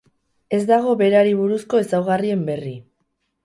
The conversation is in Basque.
Ez dago berari buruzko ezaugarrien berri.